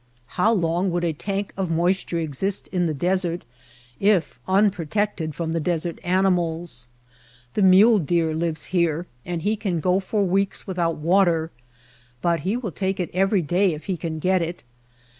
How long would a tank of moisture exist in the desert if unprotected from the desert animals ? The mule deer lives here, and he can go for weeks without water, but he will take it every day if he can get it.